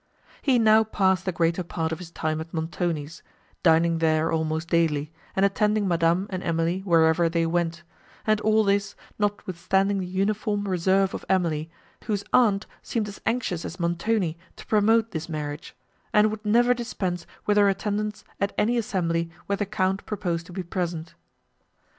He now passed the greater part of his time at Montoni's, dining there almost daily, and attending Madame and Emily wherever they went; and all this, notwithstanding the uniform reserve of Emily, whose aunt seemed as anxious as Montoni to promote this marriage; and would never dispense with her attendance at any assembly where the Count proposed to be present.